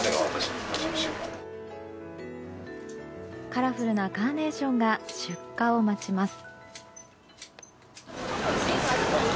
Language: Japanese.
カラフルなカーネーションが出荷を待ちます。